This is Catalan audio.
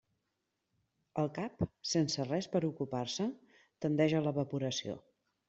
El cap, sense res per a ocupar-se, tendeix a l'evaporació.